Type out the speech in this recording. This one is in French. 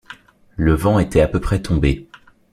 Le vent était à peu près tombé.